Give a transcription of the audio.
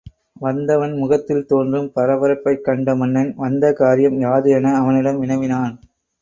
வந்தவன் முகத்தில் தோன்றும் பரபரப்பைக் கண்ட மன்னன் வந்த காரியம் யாது? என அவனிடம் வினவினான்.